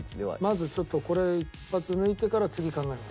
まずちょっとこれ一発抜いてから次考えます。